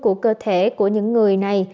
của cơ thể của những người này